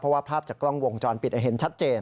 เพราะว่าภาพจากกล้องวงจรปิดเห็นชัดเจน